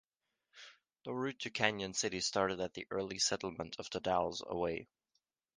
The route to Canyon City started at the early settlement of The Dalles, away.